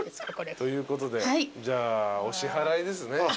ということでじゃあお支払いですね。